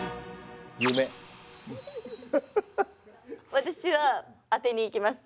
私は当てにいきます。